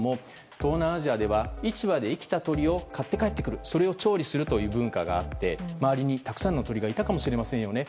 東南アジアでは市場で生きた鳥を買って帰ってきてそれを調理する文化があって周りにたくさんの鳥がいたかもしれませんよね。